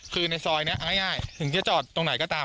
คือในซอยนี้เอาง่ายถึงจะจอดตรงไหนก็ตาม